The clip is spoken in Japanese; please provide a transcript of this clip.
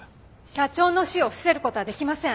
社長の死を伏せる事はできません。